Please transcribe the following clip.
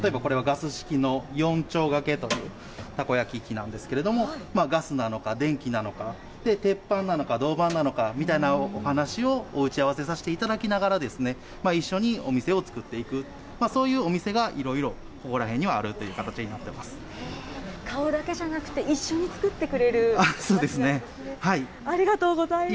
例えば、これはガス式の４ちょうがけと、たこ焼き器なんですけれども、ガスなのか電気なのか、鉄板なのか、銅板なのかみたいなお話を、お打ち合わせさせていただきながら、一緒にお店を作っていく、そういうお店がいろいろ、ここら辺にはあるっていう形になっ買うだけじゃなくて、一緒にそうですね。